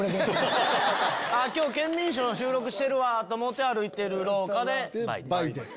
『ケンミンＳＨＯＷ』収録してるわと思って歩いてる廊下で「バイデン」。